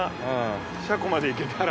車庫まで行けたら。